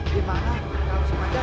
di mana kalau si fajar